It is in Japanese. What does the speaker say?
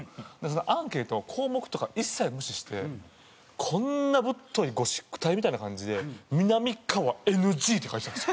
アンケートの項目とか一切無視してこんなぶっといゴシック体みたいな感じで「みなみかわＮＧ」って書いてたんですよ。